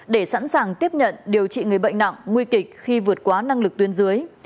để sẵn sàng tiếp nhận điều trị người bệnh nặng nguy kịch khi vượt quá năng lực tuyên dưới